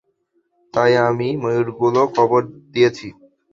তাই আমি ময়ূরগুলো কবর দিয়েছি।